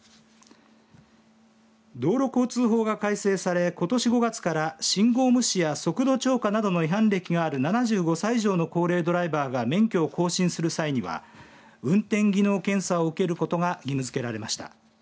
道路交通法が改正されことし５月から信号無視や速度超過などの違反歴がある７５歳以上の高齢ドライバーが免許を更新する際には運転技能検査を受けることが義務付けられました。